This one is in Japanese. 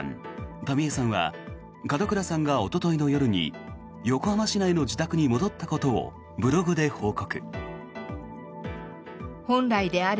民江さんは門倉さんがおとといの夜に横浜市内の自宅に戻ったことをブログで報告。